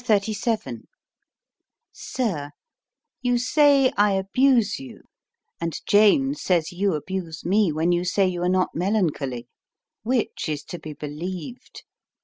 _ SIR, You say I abuse you; and Jane says you abuse me when you say you are not melancholy: which is to be believed?